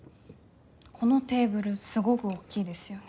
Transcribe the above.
このテーブルすごぐ大きいですよね。